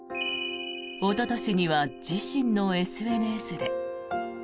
おととしには自身のＳＮＳで。